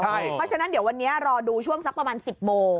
เพราะฉะนั้นเดี๋ยววันนี้รอดูช่วงสักประมาณ๑๐โมง